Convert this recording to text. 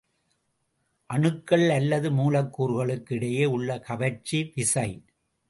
அணுக்கள் அல்லது மூலக்கூறுகளுக்கு இடையே உள்ள கவர்ச்சி விசை.